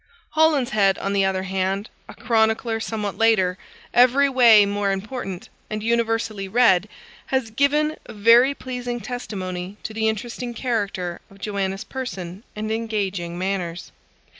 Holinshead, on the other hand, a chronicler somewhat later, every way more important, and universally read, has given a very pleasing testimony to the interesting character of Joanna's person and engaging manners.